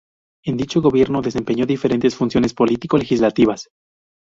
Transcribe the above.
En dicho gobierno, desempeñó diferentes funciones político-legislativas.